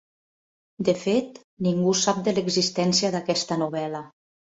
De fet, ningú sap de l'existència d'aquesta novel·la.